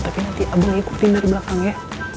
tapi nanti abangnya ikutin dari belakang ya